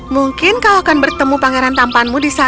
mungkin kau akan bertemu pangeran tampanmu di sana